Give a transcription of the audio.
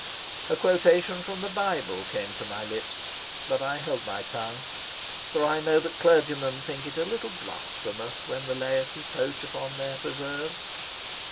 A quotation from the Bible came to my lips, but I held my tongue, for I know that clergymen think it a little blasphemous when the laity poach upon their preserves.